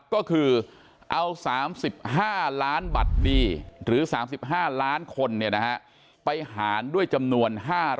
ก็คือเอา๓๕ล้านบัตรดีหรือ๓๕ล้านคนไปหารด้วยจำนวน๕๐๐